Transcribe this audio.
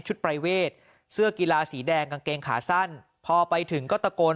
ปรายเวทเสื้อกีฬาสีแดงกางเกงขาสั้นพอไปถึงก็ตะโกน